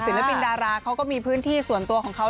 ปินดาราเขาก็มีพื้นที่ส่วนตัวของเขา